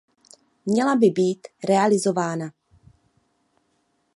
Měla by být realizována.